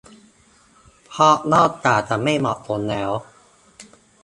เพราะนอกจากจะไม่เหมาะสมแล้ว